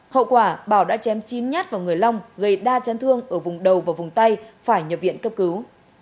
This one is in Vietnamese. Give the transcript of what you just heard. hậu quả bảo đã chém chín nhát vào người long gây đa chấn thương ở vùng đầu và vùng tay phải nhập viện cấp cứu